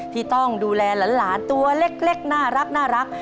ที่ต้องดูแลหลานตัวเล็กน่ารัก